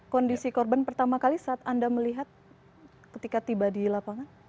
kondisi korban pertama kali saat anda melihat ketika tiba di lapangan